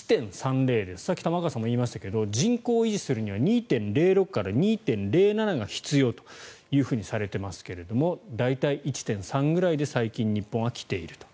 さっき玉川さんが言いましたけど人口を維持するには２．０６から２．０７が必要というふうにされていますが大体１．３ぐらいで最近、日本は来ていると。